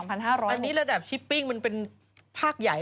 อันนี้ระดับชิปปิ้งมันเป็นภาคใหญ่